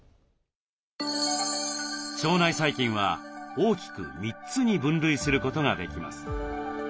腸内細菌は大きく３つに分類することができます。